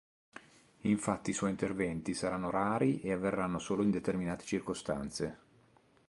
Infatti i suoi interventi saranno rari e avverranno solo in determinate circostanze.